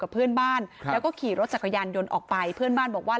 เพื่อนบ้านแล้วก็ขี่รถจักรยานยนต์ออกไปเพื่อนบ้านบอกว่า